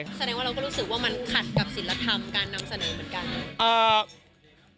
แสดงว่าเราก็รู้สึกว่ามันขัดกับศิลธรรมการนำเสนอเหมือนกัน